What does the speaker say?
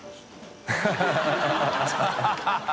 ハハハ